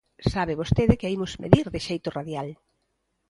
Sabe vostede que as imos medir de xeito radial.